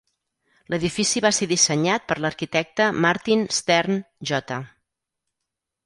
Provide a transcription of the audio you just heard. L'edifici va ser dissenyat per l'arquitecte Martin Stern, J.